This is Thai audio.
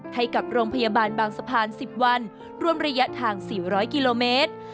ให้กับโรงพยาบาลบางสะพาน๑๐วันรวมระยะทาง๔๐๐กิโลเมตร